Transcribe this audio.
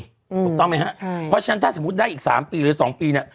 ถูกต้องไหมฮะใช่เพราะฉะนั้นถ้าสมมุติได้อีกสามปีหรือสองปีเนี่ย